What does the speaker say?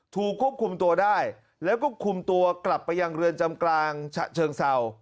ถูกควบคุมตัวได้แล้วก็คุมตัวกลับไปยังเรือนจำกลางเชิงเศร้า